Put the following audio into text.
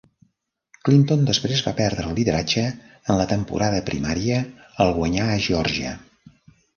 Clinton després va prendre el lideratge en la temporada primària al guanyar a Geòrgia.